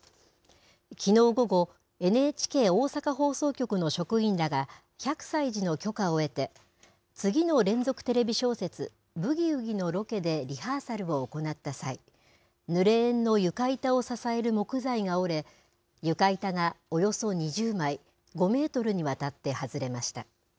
きのう午後、ＮＨＫ大阪放送局の職員らが、百済寺の許可を得て、次の連続テレビ小説ブギウギのロケでリハーサルを行った際、ぬれ縁の床板を支える木材が折れ、床板がおよそ２０枚、５メートルにわたって外れました。